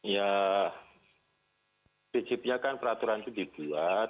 ya prinsipnya kan peraturan itu dibuat